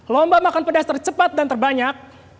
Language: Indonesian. lomba makan pedas tercepat dan terbanyak